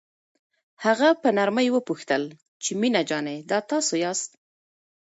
هغه په نرمۍ وپوښتل چې مينه جانې دا تاسو یاست.